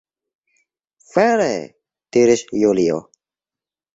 Vere! diris Julio.